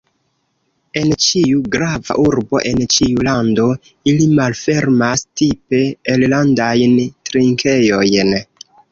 En ĉiu grava urbo, en ĉiu lando, ili malfermas “tipe irlandajn trinkejojn.